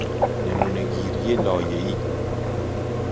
نمونه گیری لایه ای